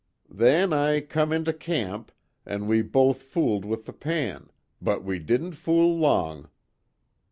"Then I come into camp, an' we both fooled with the pan but we didn't fool long.